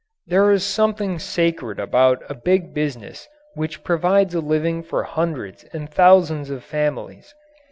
There is something sacred about a big business which provides a living for hundreds and thousands of families.